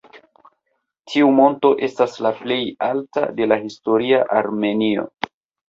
Tiu monto estas la plej alta de la historia Armenio.